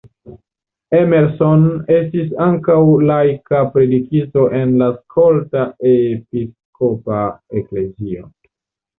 Emerson ankaŭ estis laika predikisto en la Skota Episkopa Eklezio.